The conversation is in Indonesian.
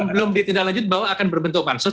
belum ditindaklanjut bahwa akan berbentuk pansus